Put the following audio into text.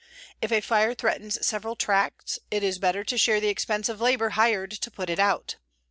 If a fire threatens several tracts, it is better to share the expense of labor hired to put it out.